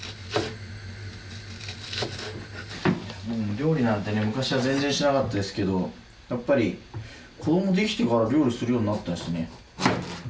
料理なんてね昔は全然しなかったですけどやっぱり子どもできてから料理するようになったしね。